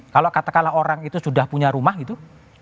kalau katakanlah orang itu sudah punya rumah gitu